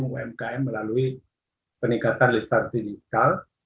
umkm melalui peningkatan listasi fiskal